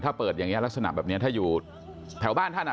ถ้าเปิดอย่างนี้ลักษณะแบบนี้ถ้าอยู่แถวบ้านท่านอ่ะ